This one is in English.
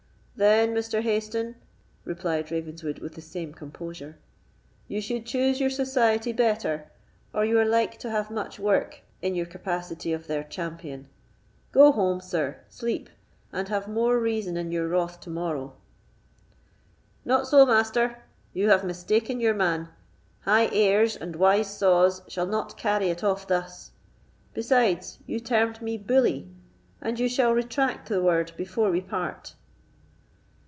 "Then, Mr. Hayston," replied Ravenswood, with the same composure, "you should choose your society better, or you are like to have much work in your capacity of their champion. Go home, sir; sleep, and have more reason in your wrath to morrow." "Not so, Master, you have mistaken your man; high airs and wise saws shall not carry it off thus. Besides, you termed me bully, and you shall retract the word before we part."